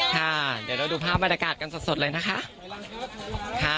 ค่ะเดี๋ยวเราดูภาพบรรยากาศกันสดเลยนะคะ